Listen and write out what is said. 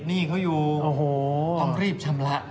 หนี้เขาอยู่ต้องรีบชำระ